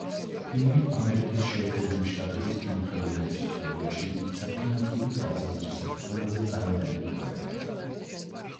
ფილმი ამერიკის შეერთებული შტატების კინოხელოვნების ისტორიაში იქცა ფინანსური თვალსაზრისით ყველაზე წარმატებულ პროექტად.